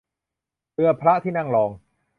เรือพระที่นั่งรอง